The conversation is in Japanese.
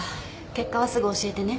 結果はすぐ教えてね。